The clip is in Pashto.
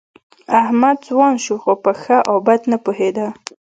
احمد ځوان شو، خو په ښه او بد نه پوهېده.